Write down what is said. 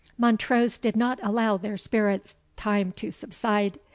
Montrose did not allow their spirits time to subside.